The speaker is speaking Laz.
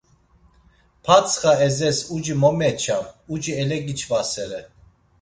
Patsxa Ezes uci mo meçam, uci elegiç̌vasere.